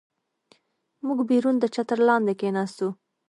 موږ بیرون د چتر لاندې کېناستو.